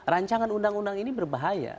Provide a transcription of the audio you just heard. rancangan undang undang ini berbahaya